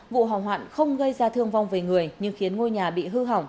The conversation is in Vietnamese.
vụ hỏa hoạn không gây ra thương vong về người nhưng khiến ngôi nhà bị hư hỏng